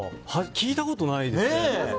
聞いたことないですね。